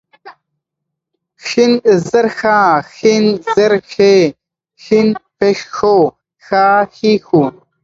ښ زر ښا، ښېن زير ښې ، ښين پيښ ښو ، ښا ښې ښو